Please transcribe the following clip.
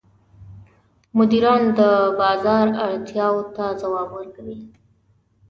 مدیران د بازار اړتیاوو ته ځواب ورکوي.